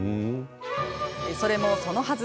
それもそのはず。